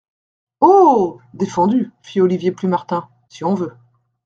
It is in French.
Oh ! défendu, fit Olivier Plumartin ; si on veut.